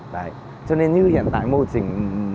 đấy cho nên như hiện tại mô hình